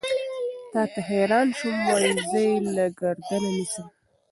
تا ته حېران شوم وائې زۀ يې له ګردنه نيسم